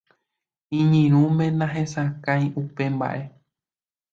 Iñirũme nahesakãi upe mba'e.